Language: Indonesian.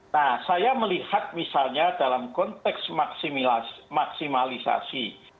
nah saya melihat misalnya dalam konteks maksimalisasi